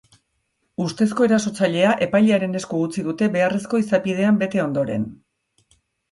Ustezko erasotzailea epailearen esku utzi dute beharrezko izapidean bete ondoren.